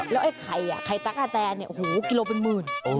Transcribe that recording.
แล้วไอ้ไข่ไข่ตั๊กกะแตนเนี่ยโอ้โหกิโลเป็นหมื่น